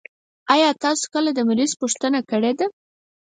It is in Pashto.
آيا تاسو کله د مريض پوښتنه کړي ده؟